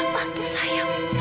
bantu saya bu